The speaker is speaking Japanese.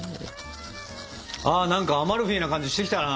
あ何かアマルフィな感じしてきたな。